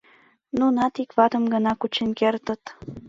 — Нунат ик ватым гына кучен кертыт.